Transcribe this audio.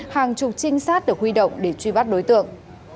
hàng chục trinh sát được huy động để truy bắt đối tượng